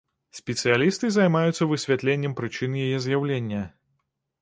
Спецыялісты займаюцца высвятленнем прычын яе з'яўлення.